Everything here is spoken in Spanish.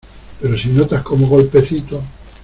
pero si notas como golpecitos